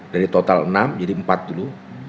jadi total enam jadi empat dulu